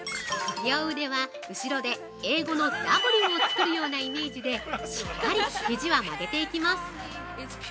◆両腕は後ろで英語のＷを作るようなイメージでしっかり、ひじは曲げていきます。